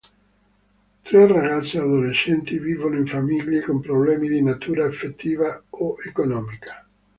Tre ragazze adolescenti vivono in famiglie con problemi di natura affettiva o economica.